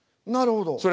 なるほど。